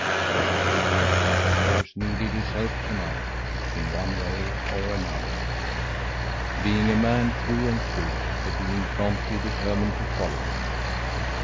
It was clear that the horse needed his help to night, in one way or another. Being a man through and through, the dean promptly determined to follow him.